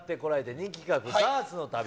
人気企画、ダーツの旅。